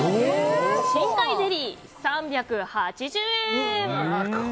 深海ゼリー、３８０円。